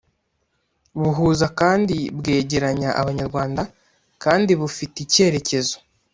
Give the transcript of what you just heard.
buhuza kandi bwegeranya abanyarwanda kandi bufite icyerekezo